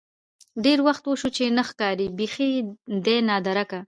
ډېر وخت وشو چې نه ښکارې بيخې ده نادركه.